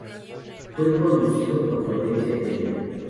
Fue conducido por Florencia Peña.